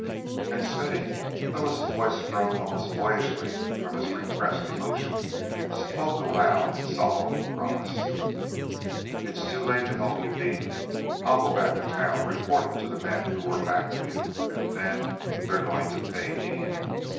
And Smithy, though his voice broke almost boyishly from his repressed emotion, spoke aloud in solemn promise: "It's too late to help you, Dean. I'll go back to town, report to the men who were back of you, and then.... They're going to pay, Dean!